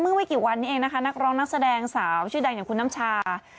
ไม่กี่วันนี้เองนะคะนักร้องนักแสดงสาวชื่อดังอย่างคุณน้ำชา